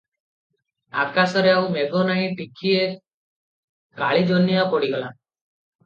ଆକାଶରେ ଆଉ ମେଘ ନାହିଁ, ଟିକିଏ କାଳିଜହ୍ନିଆ ପଡିଗଲା ।